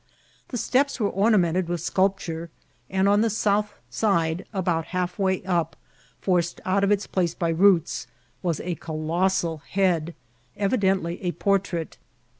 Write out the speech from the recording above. The eteps were ornamented , with sculpture, and on the south side, about half way iqp, forced out of its place by roots, was a colossal head, evidently a portrait.